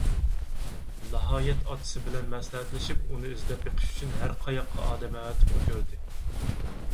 ناھايەت ئاتىسى بىلەن مەسلىھەتلىشىپ ئۇنى ئىزدەپ بېقىش ئۈچۈن ھەر قاياققا ئادەم ئەۋەتىپمۇ كۆردى.